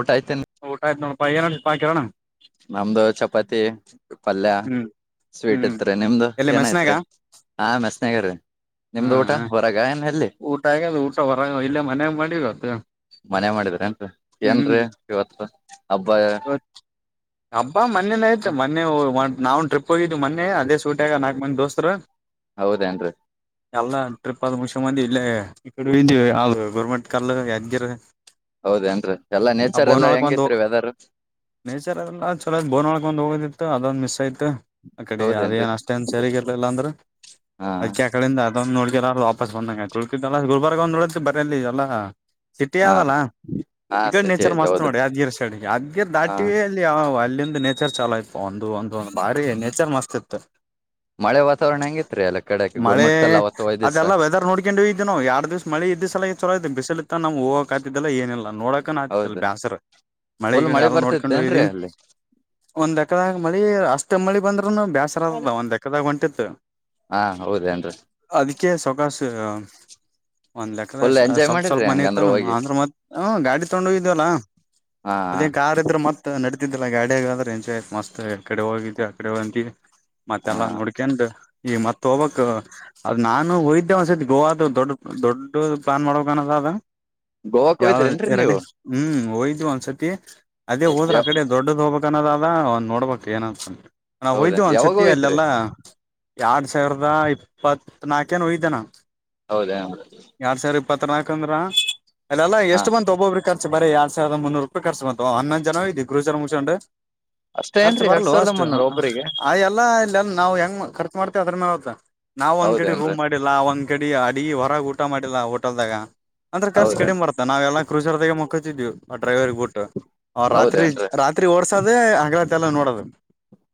ಊಟ ಐತೆೇನೆ ಪ ಏನಡು ಪಾಯಿಕರಣಾ ನಮ್ದು ಚಪಾತಿ ಪಲ್ಯ ಹ್ಮ್ ಸ್ವೀಟ್ ಹ್ಮ್ ಇತ್ರಿ ನಿಮ್ದು ಎಲ್ಲಿ ಮೆಸ್ನಾಗ ಏನಐತ್ರಿ ಹಾ ಮೆಸನಗ್ರೀ ಹಾ ಊಟ ಆಗದು ಊಟ ಹೊರ ಇಲ್ಲ ಮನೆ ಮಾಡಿತ್ತು ಮನೆ ಮಾಡಿದ್ರ ನ್ರಿ ಏನ್ರೀ ಇವತ್ತು ಹಬ್ಬ ಇವತ್ ಹಬ್ಬ ಮೊನ್ನೇನಯ್ತು ಮೊನ್ನೆ ನಾವು ಟ್ರಿಪ್ ಹೋಗಿದ್ವಿ ಮೊೆ ಅದೇ ಸೂಟ್್ಯಾಗ ನಾಕಕ್ ಮಂದಿ ದೋಸ್ತರು ಹೌದೇನ್ರಿ ಎಲ್ಲ ಟ್ರಿಪ್ ಆದ ಮುಚ ಮಂದಿ ಇಲ್ಲೇ ಈ ಅದು ಗೋರ್ಮೆಂಟ್ ಕಲ್ ಯದಗಿರ್ ಹೌದೇಏನ್ರರಿ ಎಲ್ಲಾ ನೇಚರ್ ಎಲ್ಲಾ ಒಂದು ಹೆಂಗಿತ್ರಿ ವೆದರ್ ನೇಚರ್ ಎಲ್ಲ ಚಲೋ ಬೋನ್ೊಳ್ಕೊಂಡ್ ಹೋಗೋದ ಅದೊಂದ್ ಮಿಸ್ ಆಯ್ು ಆ ಕಡೆ ಅದ ಹೌದೇನ್ರಿ ಏನ್ ಅಷ್ಟೇನ್ ಸೇರಿಗ ಇರ್ಲಿಲ್ಲ ಅಂದ್ರೆ ಹಾ ಅದಕ್ಕೆ ಆ ಕಡಿಂದ ಅ ನೋಡ್ತರಲ್ಲ ವಾಪಸ್ ಬಂದಗೆ ತಳಳ್ತಿದಲ್ಲ ಗುಬರ್ಗ ಒ್ ನೋಡತತಿ ಬರ ಅಲ್ಲಿ ಎಲ್ಲ ಹಾ ರೀ ಸಿಟ್ಟಿಯಾದಲ್ಲಾ ಹಾ ಈಗ ಸಿಟಿ ನೇಚರ್ ಐತೆ ಮಸ್ತ್ ಹೌದ್ರಿ ನೋಡಿ ಅದ್ಗಿರ್ ಸೈಡ್ ಅದಗೀರ್ ಹಾ ದಾಟಿವ ಅಲ್ಲಿ ಯ ಅಲ್ಲಿ ಒಂದು ನೇಚರ್ ಚಾಲ ಇತ್ತು ಒಂದು ಒಂದುಂದು ಬಾರಿ ನೇಚರ್ ಮಸ್ತ್ ಇತ್ತು ಮಳೆ ವಾತಾವರಣ ಹೆಂಗಿತ್ರಿ ಅಲ್ಲ ಕಡೆಕ್ಕೆ ಮಳೆ ಗುರ್ಮಟ್ಕಲ್ ಅವತ್ತು ಒಯ್ ದಿವ್ಸ ಅದೆಲ್ಲ ವೆದರ್ ನೋಡ್ಕೊಂಡು ಇದ್ದ ನ ಯರಡ್ ದಿವ್ಸ ಮಳೆ ಇದದು ಸಲ ಬಿಸಿಲ ಇತ್ತ ನವು ಹೋಗ ಹ ಆತಿದ್ದಲ್ಲ ಏಲ್ಲ ನೋಡಕನ್ ಆಗ್ತಿ ಹೌದು ಬ್ಯಾಸ್ರ ಮಳಿ ಫುಲ್ ಮಳೆ ಎಲ್ಲ ನೋಡ್ಕೊಂಡ ಬರ್ತಿತ್ತೇನ್ರೀ ಹಯ್ದ ಅಲ್ಲಿ ಒಂದ್ ಅಕಡ ಮ ಅಷ್ಟ ಮಳಿ ಬಂದ್ರರುೂ ಬೇಸರದ ಒಂದು ಕ್ಕದಾಗ ಹೊಂಟಿತ್ತು ಹಾ ಹೌದೇನ್ರರಿ ಸ ಒಂದ್ ಲೆಕ್ಕದ ಎಂಜಾಯ್ ಸ್ವಲ್ಪ ಸ್ವಲ್ಪ ಮಾಡಿರಿ ಮನೆ ಹಂಗಂದ್ರ ಇತ್ತಲ್ಲ ಹೋಗಿ ಅಂದ್ರ ಮತ್ತತ್ ಹ ಗಾಡಿ ತಗೊಂಡ ಇದವಲ್ಲ ಹಾ ಅದೇನ್ ಕಾರ್ ಇದ್ರೆ ಮತ್ತತ್ ನಡತಿದ್ದಲ್ಲ ಗಾಡಿಯಾಗ ರೇಂಜ್ ಆಯತ್ ಮಸ್ತ್ ಎ ಕಡೆ ಹೋಗಿದ್ದ್ ಆ ಕಡೆ ಹೋಗಂತ ಹಾ ಮತ್ತೆಲ್ಲಾ ನೋಡ್ಕಂಡ್ ಈ ಮತ್ ಹೋಗ್ಕ್ ಅದ್ ನಾನು ವೈದ್ಯವನ್ಸದ ಗೋವದು ದೊಡ್ ದೊಡ್ಡ ಪ್ಲಾನ್ ಮಾಡ್ಬೇಕನದ ಅದ ಗೋವಾಕ್ ಯಾವ ಹೋಯ್ತರಿನ್ರಿ ಎರಡು ನೀವು ಹ್ಮ್ ಹೋಯ್ವಿ ಒಂದ್ಸತಿ ಅದೇ ಹೋದ್ರ ಆಕಡೆ ದೊಡ್ಡದ ಹೋಗ್ಬೇಕಕ್ ಅನ್ನೋದ ಅದಂದ್ ನೋಡ್ಬಬೇಕಕ್ ಏನಂತ ನಾವು ಹೌದಾ ಹೋಯ್ದ ಯಾವಾಗ ಒಂದ್ಸತಿ ಹೋಗಿದ್ರಿ ಅಲ್ಲೆಲ್ಲ ಎರಡ್ ಸಾವಿರದ ಇ ಇಪ್ಪತ್ತ್ ನಾಲ್ಕೇೋಯ್ದನಾ ಹೌದಾ ಪತ್ರನಾಕಂದ್ರ ಅಲ್ಲಾ ಹಾ ಎಷ್ಟು ಬಂದತ್ ಒಬ್ಬೊಬ್್ರ ಬೇ ಎರಡ್ ಸಾವಿರದ ಮುನ್ನೂರು ರೂಪಾಯಿ ರ್ು ಬಂತು ಹನ್ನೊಂದ ಜನ ಇದಐ ಗರುರ ಮುಗಸಂಡು ಖರ್ಚು ಅಷ್ಟೇನ್ರಿ ಎರಡ್ ಬರ್ಲ್ ಸಾವಿರದ ಅಷ್ಟು ಮುನ್ನೂರ ಒಬ್ರಿಗೆ ಅ ಎಲ್ಲಾ ಇಲ್ಲೆಲ್ಲ ನಾವು ಹೆಂಗ ಖರ್ಚು ಮಾಡ್ತೇವಿ ಅದ್ರ ಮೇಲೆತ್ತ ನಾವ್ ಒಂದ್ ಕಡೆ ಹೌದೇನ್ರಿ ರೂಮ್ ಮಾಡಿಲ್ಲ ಒಂದ್ ಕಡೆ ಅಡಿ ಹೊರಗ ಊಟ ಮಾಡಿಲ್ಲ ಹೋಟೆಲ್ದಾಗ ಅಂದ್ರ ಕರ್ಚ್ ಹೌದೇನ್ ಕಡಿಮೆ ಬರ್ತ ನಾವೆಲ್ಲಾ ಕ್ರೂಜರ್ದಾಗ ಮಕ್ಕೊತಿದ್ವಿ ಆ ಡ್ರೈವರ್ಗ್ ಬ ಬಿಟ್ಟು ರಾತ್ರಿ ಹೌದೇನ್ರಿ ರಾತ್ರಿ ತ್ರಿ ಓಡ್ಸೋದೆ ಹಗಲತಿ ಎಲ್ಲ ನೋಡದು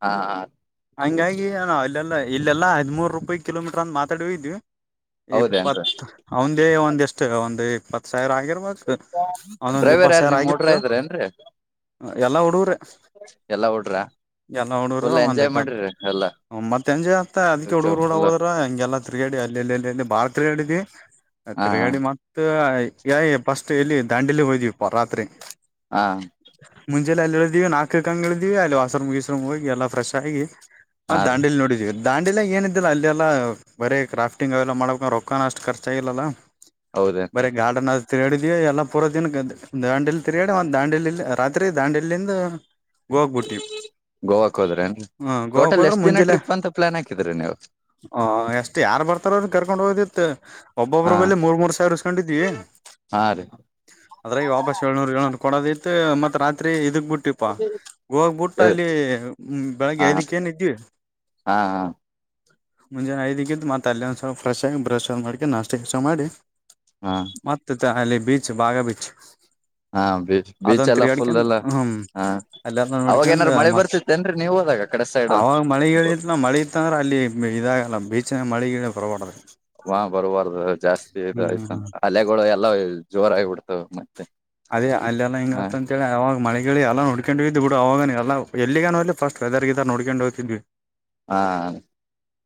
ಹಾ ಹಾ ಹಂಗಾಗಿ ನಾ ಅಲ್ಲೆಲ್ಲ ಇಲ್ಲಾ ಹದಮೂರು ರೂಪಾಯಿ ಕಿಲೋಮೀಟರ್ ಅಂದ್ ಮಾತಾಡವಿ ಇದ್ವಿ ಹೌದೇನ್ರಿ ಇಪ್ಪತ್ ಅವಂದೇ ಒಂದ ಎಷ್ಟು ಒಂದು್ ಇಪ್ಪತ್ ಸಾವಿರ ಆಗಿರ್ಬದು ಒಂದೊಂದ ಹಬ್ಬ ಡ್ರೈವರ್ ಯಾರ ಸ್ಯಾರ ನಿಮ್ ಹುಡ್ರ ಆಗಿತ್ತು ಇದ್ರೇನ್ರಿ ಎಲ್ಲಾ ಹುಡುಗ್ರ ಎಲ್ಲಾ ಹುಡ್ರ ಎಲ್ಲ ಹಡುರು ಫುಲ್ ಒಂದೇ ಎಂಜಾಯ್ ಬತ್ ಮಾಡ್ರಿ ಎಲ್ಲಾ ಮತ್ತತ್ ಎಂಜೆ ಆತ್ತತ ಅದ್ ಹುಡುಗರು ಹೂಡ ಫುಲ್ ಹೋದ್ರ ಹಂಗೆಲ್ಲ ತಿಗಡಿ ಅಲ್ಲಿೆಲ್ಲಿ ಎ ಬಾಳ ತಿತ್ರಿಗಾಡಿ ಹಾ ತಿತ್ರಿಗಡಿ ಮತ್ತ ಯ ಫಸ್ಟ್ ಎಲ್ಲಿ ದಾಂಡಿಲಿ ಹೋ್ದ್ವಿಪ್ಪ ರಾತ್ರಿ ಹಾ ಮುಂಜೆೆಯಲ್ಲಿಲ್ಲಿಲ್ಲ ಇದ್ದೀವಿ ನಾಲ್ಕು ಕಂಗ್ಗಳ ಇದಿವವಿ ಅಲ್ಲಿ ವಸರು ಮೀಸರು ಹೋಗಿ ಎ ್ರಶ್ ಆಗಿ ಮ ಹಾ ರೀ ದಾಂಡಲಿ ನೋಡಿದ್ದೀ ದಾಂಡಿಿಲ್ಲ ಏನ ಇದಿಲ್ಲ ಅಲ್ಲಿೆಲ್ಲ ಬರ ಕ್ರಾಫ್ಟಿಂಗ್ ಅವೆಲ್ಲ ಮಾಡ್ಬೇಕ ರೊಕ್ಕೋ ಅಷ್ಟ ಖರ್ಚ ಆಾಗಿಿಲ್ಲಲ್ಲ ಬರ ಹೌದೇನ್ರಿ ಗಾರ್ಡನ್ ತಿರುಗಾಡಿದಿವವಿ ಎಲ್ಲಾ ಪೂರ ದಿನಕ್ಕೆ ದಾಂಡಿಲಿ ತಿರುಗಾಡಿ ಒಂದ್ ದಾಂಡಿಲಿಲಿ ರಾತ್ರಿ ದಾಂಡಿಲಿಂದ ಹೋಗ್ಬಿಟ್ಟ ಗೋವಾಕ್ ಹೋದ್ರಿ ಟೋಟಲ್ ಎಷ್ಟ್ ದಿನ ಮುಂಜೆಲೆ ಟ್ರಿಪ್ ಅಂತ ಪ್ಲಾನ್ ಹಾಕಿದ್ರಿ ನೀವು ಹ ಎಷ್ಟ್ ಯಾರ್ ಬರ್ತಾರೋ್ರರು ಕರ್ಕೊಂಡ್ ಹೋದಿತ್ತ ಹಾ ಒಬ್ಬೊಬ್ಬ್ರ ಬೆೇಲೆ ಮೂರ್ ಮೂರ್ ಸಾವಿರ ಇಸ್ಕೊಂಡಿದ್ವಿ ಹಾ ರೀ ಅದ್ರಾಗ ವಾಪಸ್ ಳ್ನೂರ್ ಏಳ್ನೂರ್ ಕೊಡೋದ ಇತ್ತು ಮತ್ ರಾತ್ರಿ ಇದಕ್ ಬಿಟ್ಟಿಪಾ ಹೋಗೋಗಬುಟ್ಟ ಹಾ ಅಲ್ಲಿ ಬೆಳಗ್ಗೆ ಐದಕ್ಕ ಏನ್ ಇದ್ವಿ ಹಾ ಮುಂಜಾನೆ ಐದಕ್ಕಿದು ಮತ್ತೆ ಅಲ್ಲಿ ಒಂದ್ ಫ್ರೆ್ ಆಗಿ ಬ್ರಶ್ ಅ್ ಮಾಡ್ಕ ನಾಷ್ಟಸ ಮಾಡಿ ಹಾ ಮತ್ತೆ ಅಲ್ಲಿ ಬೀಚ್ ಬಾಗ ಬೀಚ್ ಹಾ ಬೀಚ್ ಬೀಚ್ ಅದೊಂದು ಎಲ್ಲ ಫುಲ್ ತಿರುಗಾಡಿಕಂತ ಎಲ್ಲ ಹ್ಮ ಹಾ ಎಲ್ಲಾರ ನ ಅವಾಗ ಪಿಡಿಕೊಂಡ ಏನಾರ ಮಳೆ ಅಮ್ಮ ಬರ್ತಿತ್ತೇನ್ರಿ ನೀವ್ ಹೋದಾಗ ಆ ಕಡೆ ಸೈಡ್ ಅವಾಗ ಮಳೆಗಳಿತ್ಲ ಮಳಿ ಇತ್ತ ಅಂದ್ರೆ ಅಲ್ಲಿ ಇದಾಗಲ್ಲ ಬೀಚಿನ ಮಳಿಗಿ ಪಬಡದೆ ಹಾ ಬರ್ಬಾರ್ದು ಜಾಸ್ತಿ ಇ ಆಯ್ತ ಹ್ಮ್ ಹಲೆಗಳು ಎಲ್ಲಾ ಜೋರ ಆಾಗಿಬಿಡ್ತವೆ ಮ ಅದೇ ಅಲ್ಲೆಲ್ಲಾ ಹಿಂಗ ಆತ ಅಂತೇಳಿ ಯಾವಾಗ ಮಳೆ ಹೇಳಿ ಎಲ್ಲ ನೋಡ್ಕೊಂಡ್ ಇದಿದ್ ಬಿುಡ ಅವಾಗ ಎಲ್ಲ ಎಲ್ಲಿಗಾನ ಫಸ್ ವದರ್ಗ ನೋಡ್ೊಂಡ ಹೋಗ್ತಿದ್ವಿ ಹಾ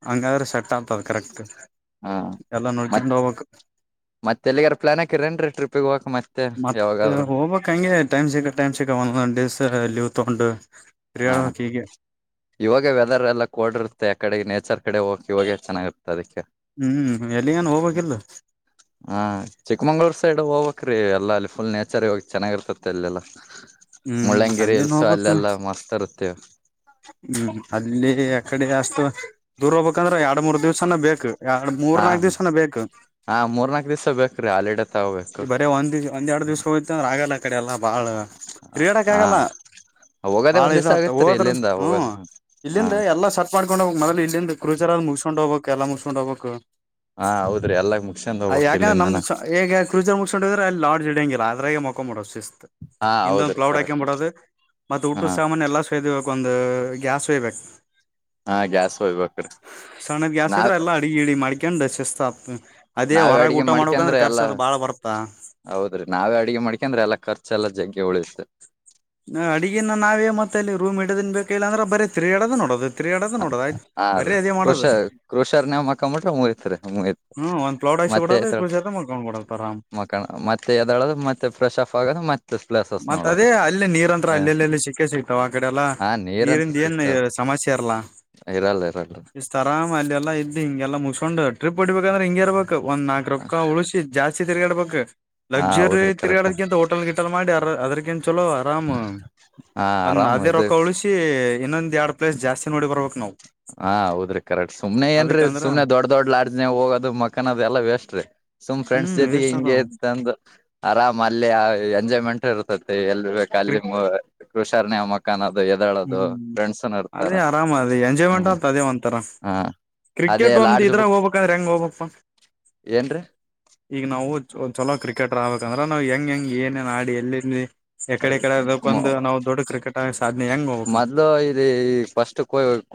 ಹಂಗಾದ್ರೆ ಸೆಟ್ ಆಗ್ತದ ಕರೆಕ್ಟ್ ಎಲ್ಲ ನೋಡ್ಕೊಂಡು ಹೋಗಕ್ ಮತ್ತೆ ಎಲ್ಲಿಗಾರ ಪ್ಲಾನ್ ಹಾಕಿರೇನ್ರಿ ಟ್ರಿಿಗೆ ಹೋಗಕಕ್ ಮತ್ತೆ ಯಾವ ಹೋಗ್ಬಬೇಕ ಹಂಗೆ ಟೈಮ್ ಸಕ್ಕಾ ಟೈಮ್ ಸಕ್ಕಾ ಒಂದ ಒಂದ ಡೇಸ್ ಲೀವ್ ತಗೊಂಡು ಹಾ ತಿರ್ಗಾಡಬೇಕ್ ಹೀಗೆ ಇವಾಗ ವೆದರ್ ಎಲ್ಲ ಕೋಡ್ರುತ್ತೆ ಆ ಕಡೆ ನೇಚರ್ ಕಡೆ ಹೋಗಕಿ ಇವಾಗ ಚೆನ್ನಾಗಿರುತ್ತ ಅದಕ್ಕೆ ಹ್ಮ್ ಎಲ್ಲಿಗನ್ ಹೋಗ್ಬೇಕಿಲ್ಲ ಹಾ ಚಿಕ್ಕಮಂಗ್ಳೂರ್ ಸೈಡ್ ಹೋಗಕ್್ರೀ ಎಲ್ಲ ಅಲ್ಲಿ ಫುಲ್ ನೇಚರ್ ಇ ಚೆನ್ನಾಗಿರ್ತತಿ ಅಲ್ಲೆಲ್ಲ ಹ್ಮ್ ಮುಳ್ಳಂಗಿರಿ ಅಲ್ಲಿನ್ ಇಲ್ಸ್ ಹೋಗ್ಬೇಕ್ ಅಲ್ಲೆಲ್ಲ ಮಸ್ತ್ ಇರುತ್ತೆ ಹ್ಮ್ ಅೆ ಕಡೆ ಎಸ್ು ದೂರ ಹೋಗ್ಬೇಕಂದ್ರೆ ಎರಡ್ ಮೂರ್ ದಿವ್ಸನ ಬೇಕು ಎರಡ್ ಮೂರ್ ಹಾ ನಾಲ್ಕು ದಿವ್ಸನ ಬೇಕು ಹಾ ಮೂರ್ನಾಕ್ ದಿವ್ಸ ಬೇಕ್ರಿ ಹಾಲಿಡೇ ತಗೋಬೇಕು ಈ ಬರೇ ಒಂದ್ ದಿವ ಒಂದ್ ಎರಡ್ ದಿವ್ಸ ಹೋೋಗ್ತ ಅಂದ್ರೆ ಆಗಲ್ಲ ಕಡೆ ಎಲ್ಲ ಬಾಳ ಕ್ರೀಡಕ್ಕ ಹಾ ಆಾಗಲ್ಲ ಹೋಗೋದೇ ಬಾಳ ಒಂದ್ ಇದ ದಿವ್ಸ ಆತ ಆಗತ್ರಿ ಹೋದ್ರ ಇಲ್ಲಿಂದ ಹ್ಮ ಹೋಗೋದು ಹಾ ಇಲ್ಲಿಂದ ಎಲ್ಲಾ ಸಟ್ ಮಾಡ್ಕೊಂಡ್ ಹೋಗ ಮೊದಲ ಇ ಎ ಕರುಜರ ಅ್ ಮುಿಸಕೊಂಡ್ ಹೋಗಬೇಕಕ್ ಎಲ್ಲ ಮುಸ್ಕೊಂಡ್ ಹೋಗಬೇಕಕ್ ಹಾ ಹೌದ್ರಿ ಎಲ್ಲಾ ಮುಗಸ್ಯಂದ ಹೋಗ್ಬಕ್ ಯಾಕಂದ್ರೆ ಇಲ್ಲಿಂದನ ನಮ್ದು ಹೇಗ ಕ್ರೂಜರ್ ಮುಗಕೊಂಡು್ರೆ ಅಲ್ಲಿ ಲಾಡ್ ಜಡಿಯಂಗಿಲ್ಲ ಅದಗೆ ಮೊಖ ಮಾಡೋಷ್ಟೇಸ್ ಹಾ ಹೌದು ಪ್ಲೌಡ್ ಹಾಕ್ಬಡೋದು ಮತ್ತ ಊಟದ ಸಾಮಾನ ಎಲ್ಲಾ ಸಕ್ ಒಂದು ಗ್ಯಾಸ್ ಸೇಯ್ಬೇಕು ಹಾ ಗ್ಯಾಸ್ ಹೋಗ್ಬೇಕ್ರಿ ಸಣ್ಣದ ಗ್ಯಾಸ್ ಇದ್ರ ನಾವ್ ಎಲ್ಲ ಅಡಗ ಇಿಡಿ ಮಾಡ್ಕಂಡು ಶಿಸತಾ ನಾವೇ ಅಡ್ಗೆ ಮ್ಕಂದ್ರ ಎಲ್ಲ ಅದ್ ಬಾಳ ಬರ್ತಾ ಹೌದ್ರಿ ನಾವೇ ಅಡಗೆ ಮಾಡ್ಕಂದ್ರೆ ಎಲ್ಲಾ ಖರ್ಚೆಲ್ಲ ಜಂಗೆ ಉಳತೆ ಕ ಇ ಅಂದ್ರೆ ಬೇ ತಿರಿಾಡದ ನೋಡೋದು ತಿರ್ಗ್ಯಾಡೋದ ನೋಡೋದು ಆಯ್ತ್ ಹ ರೀ ಬರೀ ಅದೇ ಕ್ರಷ ಮಾಡೋದು ಕ್ರಶಾರ್ ನ್ ಅಕ್ಕಂಬಟ್ರ ಮುಯತ್ ಮುಯತ್ ಹ್ಮ್ ಒಂದ್ ಪ್ಲೌಡ್ ಹಾಕ್ಸಿ ಮತ್ತೆ ಬಿಡೋದು ಕ್ರೂಜರ್ ದಾಗ್ ಮಲ್ಕೊಂಡ್ ಬಿಡೋದು ಆರಾಮ್ ಮಕಳ ಮತ್ತೆ ಎದಳ ಮತ್ತೆ ಫ್ರೆಶ್ ಆಫ್ ಆಗೋದು ಮತ್ತೆ ಸ್ಲಸ್ ಆ ಮತ್ತತ್ ಅದೇ ಅಲ್ಲೇ ನೀರಂತ್ರ ಅಲ್ಲಲ್ಲಿೆಲ್ಲಿ ಸಿಕ್ಕೆ ಸಿಗ್ತಾವ ಆ ಕಡೆ ಎಲ್ಲಾ ಹಾ ನೀರಂತ ನೀರಿಂದ ಏನ್ ಸಿಗ್ತಾವ ಸಮಸ್ಯೆ ಇರಲ್ಲ ಇರಲ್ಲ ಇರಲ್ಲ ಇಷ್ಟ ಆರಾಮ್ ಅಲ್ಲಿ ಎಲ್ಲ ಇದ್ದು ಹಿಂಗೆಲ್ಲಾ ಮುಚ್ಕೊಂಡು ಟ್ರಿಪ್ ಹೊಡ್ಬೇಕಂದ್ರೆ ಹಿಂಗಗೆ ಇರ್ಬೇಕು ಒಂದ್ ನಾಲ್ಕು ರೂಪಾಯ ಉಳಸಿ ಜಾಸ್ತಿ ತಿಗಾಡಬೇಕು ಹಾ ಲಕ್ಸುರಿ ಹೌದ್ರಿ ಕರೆಕ್ಟ್ ತಿರುಗಾಡಿಂತ ಹೋಟಲ್ ಗಿಟಲ್ ಮಾಡಿ ಅದ್ರಕಿಂತ ಚಲೋ ಆರಾಮ್ ಹಾ ಒಂದ್ ಆರಾಮ್ ಅದೇ ಇದು ರೊಕ್ಕ ಉಳಿಸಿ ಇನ್ನೊಂದು ಎರಡು ಪ್ಲೇಸ್ ಜಾಸ್ತಿ ನೋಡಿ ಬರ್ಬೇಕು ನಾವು ಹಾ ಹೌದ್ರಿ ಕರೆಕ್ಟ್ ಸುಮ್ನೆ ಏನ್ರೀ ಅದಕ್ಕಂದ್ರ ಸುಮನೆ ದೊಡ್ ದೊಡ್ ಲಡ್ಜ್ನೆ ಹೋಗೋದು ಮಕ್ಕನ್ದ ಎಲ್ಲ ವೇಸ್ಟ್ರೀ ತ್ ಫ್ರೆಂಡ್ಸ್ ಹ್ಮ್ ಜೊತೆಗೆ ವೇಸ್ಟ್ ಹಿಂಗೆ ಅದಾವ ತಂದು ಆರಾಮ ಅಲ್ಲಿ ಎಂಜಾಯ್ಮೆಂಟ್ ಇರ್ತತಿ ಎಲ್ ಬ ಕ್ರಿ ಅಲ್ಲಿ ಕೃಷಾರ್ನ ಮಕ್ಕಾನ ದು ಎದಾಳದು ಹ್ಮ್ ಫ್ರೆಂಡ್ಸ್ನ ಇರ್ತಾರ ಅದೇ ಆರಾಮ್ ಅದ ಎಂಜಾಯ್ಮೆಂಟ್ ಹ್ಮ್ ಆತ ಅದೇ ಒಂತರ ಹ ಅದೇ ಕ್ರಿಕೆಟ್ ಒಂದ ಲಾಡ್ಜ್ ಇದ್ರಾಗ ಬುಕ್ ಹೋಗ್ಬೇಕಂದ್ರೆ ಹೆಂಗ್ ಹೋಗ್ಬಪ್ಪ ಏನ್ರೀ ಈಗ ನಾವು ಚಲೋ ಕ್ರಿಕೆಟರ್ ಆಗ್ಬೇಕಂದ್ರೆ ನಾವು ಹೆಂಗ್ ಹೆಂಗ್ ಏನೇನ್ ಆಾಡಿ ಎಲ್ಲಿಲ್ಲಿ ಎಕಡೆ ಕಡೆ ಅದಕ ಒಂದು ನಾವು ದೊಡ್ಡ ಕ್ರಿಕೆಟ್ ಆಗ ಸಾಧ್ಯ ಮೊದ್ಲು ಇ ಫಸ್ಟ್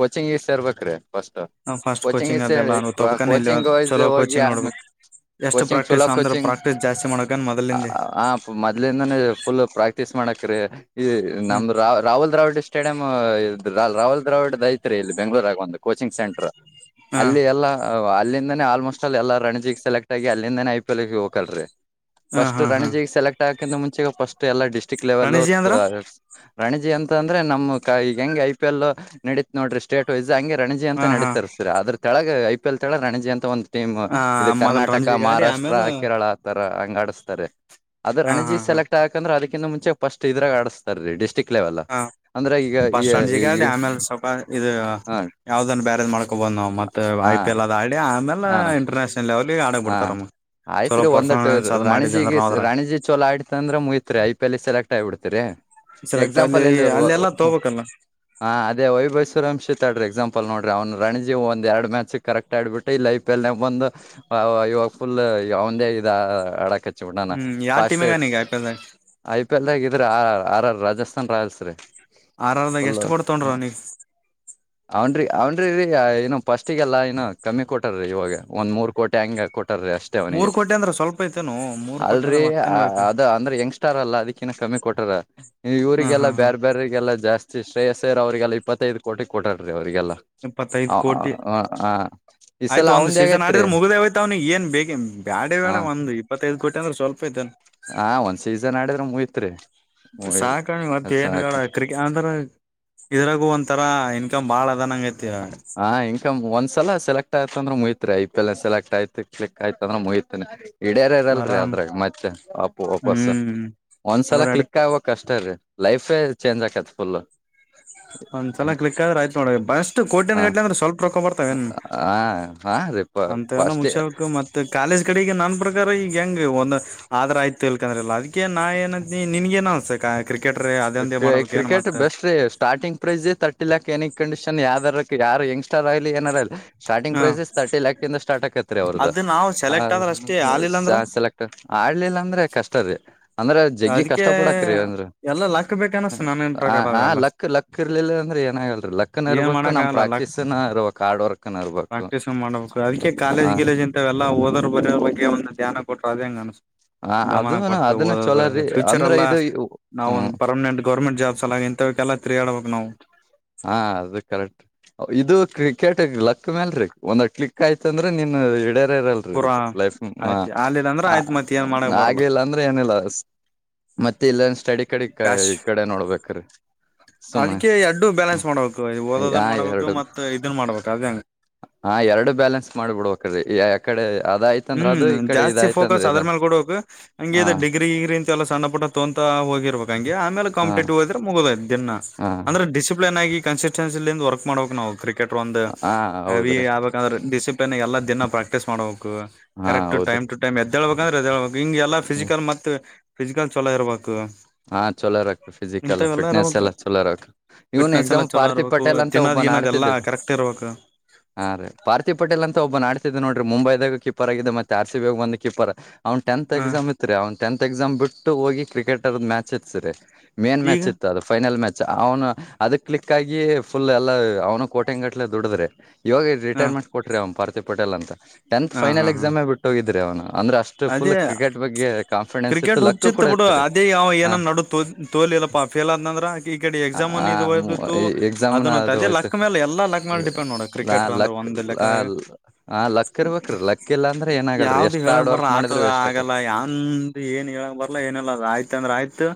ಕೋಚಿಂಗ್ ಇ ಸೇರ್ಬೇಕ್ರೀ ಫಸ್ ನಾವ್ ಫಸ್ಟ್ ಕೋಚಿಂಗ್ ಇ ಹೇಳಿ ಅದೆಲ್ಲ ತೋಬಕನ ಇಲ್ಲ ಕೋಚಿಂಗ್ ವಸ್ ಚಲೋ ಹೋಗಿ ಕೋಚಿಂಗ್ ಆ ನೋಡ್ಬೇಕು ಎಷ್ಟು ಕೋಚಿಂಗ್ ಚಲೋ ಪ್ರಾಕ್ಟೀಸ್ ಅಂದ್ರ ಕೋಚಿಂಗ್ ಪ್ರಾಕ್ಟೀಸ್ ಜಾಸ್ತಿ ಮಾಡಕನ್ ಮೊದಲಿಂದೆ ಆ ಮೊದ್ಲಿಂದಾನೇ ಫುಲ್ ಪ್ರಾಕ್ಟೀಸ್ ಮಾಡಕ್ ಅ್ರೆ ಈ ಹ್ಮ್ ನಮ್ದ ರ ರಾಹುಲ್ ದ್ರಾವಿಡ್ ಸ್ಟೇಡಿಯಂ ರಾಹುಲ್ ದ್ರಾವಿಡ್ ಐತ್ರಿ ಇಲ್ಲಿ ಬೆಂಗ್ಳೂರ ಆಗ ಒಂದು ಕೋಚಿಂಗ್ ಸೆಂಟರ್ ಹ ಅಲ್ಲಿ ಎಲ್ಲ ಅಲ್ಲಿಂದಾನೇ ಆಲ್ಮೋಸ್ಟ್ ಅಲ್ಲಿ ಎಲ್ಲ ರಣಜಿಿಗೆ ಸೆಲೆಕ್ಟ್ ಆಗಿ ಅಲ್ಲಿಂದಾನ ಐ ಪಿ ಎಲ್ ಗೆ ಹೋಗಕಲ್ರರಿ ಹ ಫಸ್ಟ್ ಹಾ ಹಾ ರಣಜಿಗೆ ಸೆಲೆಕ್ಟ್ ಆಗಕಿಂತ ಮುಂಚೆ ಫಸ್ಟ್ ಎಲ್ಲಾ ಡಿಸ್ಟ್ರಿಕ್ಟ್ ಲೆವೆಲ್ ರಣಜಿ ಅಂದ್ರ ರಣಜಿ ಅಂತ ಅಂದ್ರೆ ನಮ್ ಕ ಈಗ ಹೆಂಗೆ ಐ ಪಿ ಎಲ್ ನಡೀತ್ ನೋಡ್ರಿ ಸ್ಟೇಟ್ ವೈಸ್ ಹಂಗೆ ರಣಜಿ ಹ ಅಂತ ಹಾ ನಡೀತಾರೆ ಸರ್ ಅದ್ರ ಕೆಳಗೆ ಐ ಪಿ ಎಲ್ ತಳ ರಣಜಿ ಅಂತ ಒಂದು ಟೀಮ್ ಹ ಇದು ಮೊದಲ್ ಕರ್ನಾಟಕ ರಂಜಿ ಗಾಡಿ ಮಹಾರಾಷ್ಟ್ರ ಆಮೇಲ್ ಕೇರಳ ಅ ಹಂಗ ಆಡಿಸ್ತಾರೆ ಅದು ಹಾ ರಣಜಿ ಹಾ ಹಾ ಸೆಲೆಕ್ಟ್ ಆಾಕಂದ್ರ ಅದಿಂತ ಮುಂಚೆ ಫಸ್ಟ್ ಇದ್ರಾಗ ಆಡಿಸ್ತಾರೆ ರೀ ಡಿಸ್ಟ್ರಿಕ್ಟ್ ಲೇವಲ್ಲ ಫಸ್ಟ್ ರಣಜಿ ಆಡಿ ಆಮೇಲೆ ಸ್ವಲ್ಪ ಇದು ಹ ಯಾವ್ದನ್ ಬ್ಯಾರೇಜ್ ಮಾಡ್ಕೋಬಹುದು ಮತ್ತೆ ಹ ಐ ಪಿ ಎಲ್ ಅದು ಆಡಿ ಆಮೇಲೆ ಹ ಇಂಟರ್ನ್ಯಾಷನಲ್ ಲೆವೆಲ್ ಹಾ ಆಯ್ತ್ರಿ ಒಂದ್ಟ್ಟ ಅದು ಮಾಡಿದ್ವಿ ಅಂದ್ರೆ ರಾಣಿಜಿಗೆ ನಾವ್ ಅದ್ರಾಗ. ರಾಣಿಜಿ ಚೋಲ ಆಡ್ತ ಅಂದ್ರೆ ಮುಯತ್ರಿ ಆಯ್ತ್ ಪಲ್ಲಿ ಸೆಲೆಕ್ಟ್ಗಿಬಿಡ್ತೀರಿ ಸೆಲೆಕ್ಟ್ ಅಲ್ಲಿ ಎಕ್ಸಾಂಪಲ್ ಇಲ್ಲಿ ಅಲ್ಲೆಲ್ಲಾ ತಗೋಬೇಕಲ್ಲ. ಹ ಅದೇ ವೈಭೈಸವರಂಶತ್ಾಡ್ರಿ ಎಕ್ಸಾಂಪಲ್ ಲ್ ನೋಡ್ರಿ ಅವ್ ರಣಿಜಿ ಒಂದ್ ಎರಡ್ ಮ್ಯಾಚ್ ಕರೆಕ್ಟ್ ಆಡ್ಬಿಟ್ಟು ಇಲ್ಲಿ ೈಫ ಎಲ್ ಬಂದು ಹ ಇವಾಗ ಫುಲ್ ಅವಂದ ಇದ ಅಡಕ ಹಚ್ಚಿ ಬಿಟ್ಟಾನ ಹ್ಮ್ ಯಾವ ಫಸ್ಟ್ ಟೀಮಿಗ ಅವನಿಗೆ ಐ ಪಿ ಎಲ್ ದಾಗ ಐ ಪಿ ಎಲ್ ದಾಗ ಆ ಆ ರಾಜಸ್ಥಾನ್ ರಾಯಲ್ಸ್ ರೀ ಆರ್ ಆರ್ ದಾಗ ಲ್ಲ ಎಷ್ಟು ಕೊಡ್ ತೊಗೊಂಡ್ರ ಹ ಅವನಿಗೆ. ಅವನ್ರಿ ಅವನ್ರಿ ಇೋ ಪಫಸ್ಟಿಗೆಲ್ಲ ಇನ್ನ ಕಮ್ಮಿ ಕೊಟ್ಟಾರೀ ಇವಾಗ ಒಂದ್ ಮೂರ್ ಕೋಟಿ ಹಂಗಗೆ ಕೊಟ್ಟ ಮೂರ್ ಕೋಟಿ ಅಂದ್ರ ಸ್ವಲ್ಪ ಐತೆೇನು ಮೂರ್ ಕೋಟಿ ಅಂದ್ರ ಅಲ್ರರಿ ಅ ಮತ್ತೇನ್ ಬೇಕು ಅದ ಅಂದ್ರೆ ಯಂಗ್ಸ್ಟಾರ್ ಅಲ್ಲ ಅದಕ್ಕಿನ್ನ ಕಮ್ಮಿ ಕೊಟಾರ ಹಾ ಹಾ ಇವ್ರಿಗೆಲ್ಲಾ ಹಾ. ಬೇರ್ ಬೇರೆ ಲ್ಲ ಜಾಸ್ತಿ ಶ್ರೇಯಸರ್ ಅವರಿಗೆಲ್ಲ ಇಪ್ಪತ್ತೈದು ಕೋಟಿ ಕೋಟರ್ರೀ ಅವರು ರಿಗೆಲ್ಲ ಇಪ್ಪತ್ತೈದ್ ಕೋಟಿ ಈ ಸಲ ಅವಂದ ಹೇಗೈತ್ರಿ ಇವ್ನಿಗೆ ಏನ್ ಬೇಕಿ ಬ್ಯಾಡ ಬೇಡ ಒಂದ ಇಪ್ಪತ್ತೈದು ಕೋಟಿ ಅಂದ್ರೆ ಸ್ವಲ್ಪ ಇದ ಹ ಒಂದ್ ಸೀಸನ್ ಆಡಿದ್ರೆ ಮುಗಿತ್ರಿ ಸಾಕಣಿ ಮತ್ತ ಏನ್ ಸಾಕ ಕ್ರಿಕೆ ಅಂದ್ರ ಇದ್ರಾಗು ಒಂಂತರಾ ಇನ್ಕಮ್ ಬಾಳ ಅದನಂಗೈತಿ ಹ ಇನ್ಕ ಒಂದ್ಸಲ ಸೆಲೆಕ್ಟ್ ಆಯತ ಅಂದ್ರ ಮುಗಿತ್ರಿ ಐ ಪಿ ಎ ನ ಸೆಲೆಕ್ಟ್ ಆಯ್ತ ಕ್ಲಿಕ್ ಆಯ್ತ ಅಂದ್ರೆ ಮುಗಿತನ ಇಡೇರ್ ಇರಲ್ರಿ ಆರಾಮ್ ಅದ್ರಾಗ ಮತ್ತೆ ಅಪ್ಪ ವಪಸ್ ಹ್ಮ್. ಒಂದ್ಸಲ ಅದ್ರ ಕ್ಲಿಕ್ ಅಡತ್ ಆಗ್ಕ್ ಅಷ್ಟೇ ರೀ ಲೈಫ್ ಚೇಂಜ್ ಆಕತ್ ಫುಲ್ ಒಂದ್ ಚಲ ಹ ಕ್ಲಿಕ್ ಆದ್ರ ಆಯ್ತ ನೋಡಿ ಅಷ್ಟು ಕೋಟೆನ್ ಗಟ್ಲಿ ಹ ಅಂದ್ರೆ ಸ್ವಲ್ಪ ಹಾ ರೀ ಅಂತ ಎಲ್ಲ ಫಸ್ಟ್ ಮುಚ್ಚ ಮೆ ಕಾಲೇಜ್ ಕಡೆಗೆ ನಾನ್ ಈಗ ಹೆಂಗಗೆ ಒಂದ್ ಆದ್ರ ಆಯ್ತು ಇಲ್ಕಂದ್ರಲ್ಲ ಅದಕ ನಾ ಏನ ನಿನ್ಗ ನ ಅನ್ಸ ಕ್ರಿಕೆಟ್ರೆ ಅದಂದೇ ಮಾಡ್ಬೇಕ ಏನ್ ಕ್ರಿಕೆಟ್ ಮತ್ತ ಬೆಸ್ಟ್ ರೀ ಸ್ಟಾರ್ಟಿಂಗ್ ಪ್ರೈಸೇ ಥರ್ಟಿ ಲಾಕ್ ನ ಕಂಡೀಷನ್ ಯ್ದಾರ ಯಾರು ಯಂಗಸ್ ್ಟಲಿ ಏನಾರಲ್ಲ ಸ್ಟಂಗ್ ಹ ಪ್ರೈಸಸ್ ತರ್ಟಿ ಲ್ಯಾಕ್ ಇ ಸಾರ್ಟ್ ಆಕೈತ್ೀ ಅವ್ರದದು ಅದು ನಾವು ಸೆಲೆಕ್ಟ್ ಆದ್ರ ಅಷ್ಟೇ ಆಲಿಲ್ಲ ಅಂದ್ರ ಹ ಸೆಲೆಕ್ಟ್ ಆಡ್ಲಿಲ್ಲ ಅಂದ್ರೆ ಕಷ್ಟದ ಅಂದ್ರ ಜಗ್ಗಿ ಅದಕ್ಕೆ ಕಷ್ಟ ಪಡಾಕ್ ರೀ ಅಂದ್ರ ಎಲ್ಲ ಲಕ್ ಬೇಕ ಹ ಅನಸ್ತ ನಾನೇನ್ ಆ ಪ್ರಕಾರ ಆ ಅವೆಲ್ಲ ಲಕ್ಕ ಲಕ್ಕ ಇರ್ಲಿಲ್ಲ ಅಂದ್ರೆ ಏನಾಗಲ್ರೀ ಲಕ್ಕನ ಏನ್ ಇರ್ಬೇಕು ಮಾಡಕ ನಮ್ ಆಗಲ್ಲ ಲಕ್ ಪ್ರಾಕ್ಟೀಸ್ ಇರ್ಬೇಕ ಹಾರ್ಡ್ ವರ್ಕ್ನ ಇರ್ಬೇಕು ಪ್ರಾಕ್ಟೀಸ್ ಮಾಡ್ಬೇಕು ಹ ಬರ ಬಗ್ಗೆ ಒಂದು ಧ್ಯಾನ ಕೊಟರು ಅದ ಹೆಂಗಗೆ ಅನು ಹ ಗಮನ ಅದನು ಕೊಟ್ಟು ಅದನ್ನ ಓದದು ಅ ಚೊಲೋರಿ ಫ್ಯೂಚರ್ ಅಂದ್ರ ಎಲ್ಲ ಇದು ನಾವ ಒಂದು ಹ್ಮ್ ಪರ್ಮನೆಂಟ್ ಗೌರ್ಮೆಂಟ್ ಜಾಬ್ಸ್ ಎಲ್ಲ ಇಂಥವಕ್ಕೆೆಲ್ಲ ತಿರಿಯಾಡ್ಬೇಕು ನಾವು. ಹಾ ಅದು ಕರೆಕ್ಟ್ ಇದು ಕ್ರಿಕೆಟ್ಗ್ ಲಕ್ ಮ್ಯಲ್ರಿೀ ಒಂದ್ ಕ್ಲಿಕ್ ಆಯ್ತಂದ್ರೆ ನಿನ್ ಅದು ಇಡೀ ಇರಲ್ರಿ ಇ ಪೂರಾ ಲೈಫ್ ಆಯ್ತು ಆಗ್ಲಿಲ್ಲ ಅಂದ್ರೆ ಆಯ್ತು ಮತ್ ಏನ್ ಮಾಡಕ್ ಬರಲ್ಲ ಹಾಗೆಲ್ಲ ಅಂದ್ರೆ ಏನಿಲ್ಲ ಮತ್ತೆ ಇಲ್ಲಂದ ಸ್ಟಡಿ ಕಡೆ ಪ್ಯಾಶ್ ಈ ಕಡೆ ನೋಡ್ಬೇಕ್ರೀ ಸುಮ್ನೆ ಎರಡು ಬ್ಯಾಲೆನ್ಸ್ ಮಾಡ್ಬೇಕು ಆ ಓದೋದನ್ ಮಾಡ್ಬೇಕು ಎರಡು ಮತ್ ಇದನ್ ಮಾಡ್ಬೇಕು ಅದಂಗಗೆ ಹಾ ಎರಡು ಬ್ಯಾಲೆನ್ಸ್ ಮಾಡ್ಬಿಡ್ಬೇಕ್ರೀ ಯಕಡೆ ಅದೇ ಹ್ಮ್ ಜಾಸ್ತಿ ಫೋಕಸ್ ಅದ್ರ ಮೇಲೆ ಕಡಬೇಕಕ್ ಹಾ ಹಂಗ ಡಿಗ್ರಿ ಗ್ರಿ ಅಂತ ಎಲ್ಲ ಸಣ್ಣ ಪುಟ್ಟ ತೋಂತ ಹೋಗಿಬೇಕ ಹಂ ಆಲೆ ಹಾ ಕಂಪಿಟಿವ್ಗದ ಹಾ ಅಂದ್ರೆ ಡಿಸಿಪ್ಲಿನ್ ಆಗಿ ಕನ್ಸಿಟ್ಯನ್ಸಿಂದ ವರ್ಕ್ ಮಾಡ್ಬೇಕಕ್ ನಾವು ಕ್ರೆಟ್ ಕ್ರಿಕೆಟ್ ಒಂದು ಹಾ ಹೆವಿ ಹೌದ್ರಿ ಯಬೇಕಂದ್ರೆ ಡಿಸಿಪ್ಲಿನ್ ಎಲ್ಲಾ ದಿನ ಪ್ರಾಕ್ಟೀಸ್ ಮಾಡ ಹಾ ಕರೆಕ್ಟ್ ಟೈಮ್ ಹೌದ್ರಿ ಟು ಟೈಮ್ ಎದ್ದೇಬೇಕಂದ್ರೆ ಎದಳ್ಬೇಕು ಹಿಂಗೆಲ್ಲ ಫಿಸಿಕಲ್ ಮತ್ ಫಿಸಿಕಲ್ ಚಲೋ ಇರಬೇಕು ಹಾ ಚಲೋರ್ ಆಕ್ತ ಫಿಸಕ್ಲ್ ಫಿಟ್ನೆಸ್ ಇರ್ಬೇಕು ಎಲ್ಲಾ ಚಲೋರಕ್ ಇವನ್ ಎಕ್ಸಾಮ್ ಪಾರ್ಥ ಪಟೇಲ್ ಅಂತ ಒಬ್ಬ ಏನದೆ ಎಲ್ಲಾ ಕರೆಕ್ಟ್ ಇರಬೇಕು ಹಾ ರೀ ಪಾರ್ಥ ಪಟೇಲ್ ಅಂತ ಒಬ್ಬ ನಡ್ತಿದ್ ನೋಡಿ ಮುಂಬೈದಾಗ ಕೀಪರ್ ಆಗ ಮತ್ತೆ ಆರ್ ಸಿಬ ಬಂದು ಕೀಪರ್ ಅವ್ನ್ ಟೆಂತ್ ಹ ಎಕ್ಸಾಮ್ ಇತ್ರಿ ಅವ್ ಟೆಂತ್ ಎಕ್ಸಾಮ್ ಬಿಟ್ಟು ಹೋಗಿ ಕ್ರಿಕೆಟ್ರ್ದ ಮ್ಯಾಚ್ ಇತ್ತಸ್ರರಿ ಮೇನ್ ಈಗ ಮ್ಯಾಚ್ ಇತ್ತು ಅದು ಫೈನಲ್ ಮ್ಯಾಚ್ ಚ ಅವನು ಅದ ಕ್ಲಿಕ್ ಆಗಿ ಫುಲ್ ಎಲ್ಲ ಅವ್ನು ಕೋಟೆಂಗಟ್ಲೆ ದುಡಿದ್ರೆ ಇವಾಗ ಹ ರಿಟೈರ್ಮಂಟ್ ಕೊರರಿ ಅವ್ ಪಾರ್ತಿ ಪಟೇಲ್ ಅಂತಟಂತ್ ಹ ಹಾ ಫೈನಲ್ ಹಾ ಎಕ್ಸಾಮೇ ಬಿಟ್ಟ ಹೋಗಿದ್ರ ಅವನು ಅಂದ್ರೆ ಅಷ್ಟು ಅದೇ ಫುಲ್ ಕ್ರಿಕೆಟ್ ಬಗ್ಗೆ ಕಾನ್ಫಿಡೆನ್ಸ್ ಇತ್ತು ಕ್ರಿಕೆಟ್ ಲಕ್ಕ ಹುಚ್ಚಿತ್ ಕೂಡ ಬಿಡು ಇರ್ತರಿ ಅದೇ ಯಾವ ಏನ ನ ತೋಲಿಲ್ಲಪ್ಪ ಫೇಲ್ ಅ ಆದಂದ್ರ ಈ ಕಡೆ ಎಕ್ಸಾಮ್ ಅ ಇದುದು ಅದ ಅದುಯ್ತು ಕ್ರಿಕೆಟರ್ ಅಂದ್ರೆ ಒಂದ್ ಲೆಕ್ಕದಾಗ ಲಕ್ಕರ್ ಬ ಅಕ್ಕಿಲ್ಲ ಅ್ರ ಏನಾಗಲ್ರಿ ಯಾವ್ದು ಎಷ್ಟ ಹೇಳಕ್ ಆಡೋ ಆತದ ಆಗಲ್ಲ ಯಾಂದ ಏನ್ ಹೇಳಂಗ ಬರ್ಲ ಏನಲ್ಲ ಆಯ್ತ ಅಂದ್ರ ಆಯ್ತು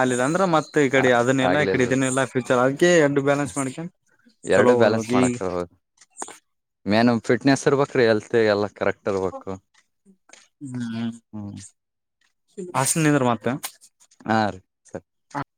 ಅಲ್ಲಿಿಲ್ಲ ಅಂದ್ರ ಮತ್ತತ್ ಈ ಕಡೆ ಅದನ್ನಿಲ್ಲಲ್ಲ ಇಕಡೆ ಆಗ್ಲಿಲ್ರಿ ಇದನ್ ಇಲ್ಲ ಫ್ಯೂಚರ್ ಅದೆ ಎರಡ್ಡು ಬ್ಯಾಲೆನ್ಸ್ ಮಾಡ್ಕನ್ ಎರಡು ಬ್ಯಾಲೆನ್ಸ್ ಮಾಡಕ್ರ್ ಹೋದು ಮೇನು ಫಿಟ್ನೆಸ್ ಇರ್ಬ್ರೀ ಎಲ್ತ್ ಎಲ್ಲ ಕರೆಕ್ಟ್ ಬೇಕಕ್ಕು ಹ್ಮ್ ಹಸನಂದ್ರ ಮತ್ತ ಹ